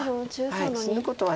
死ぬことは。